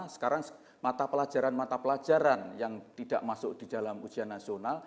sekarang mata pelajaran mata pelajaran yang tidak masuk di dalam ujian nasional